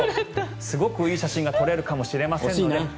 すごくいい写真が撮れるかもしれません。